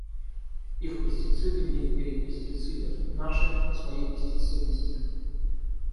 Их пестициды не перепистицидят наши по своей пестицидности.